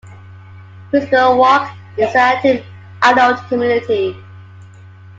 Whisper Walk is an active adult community.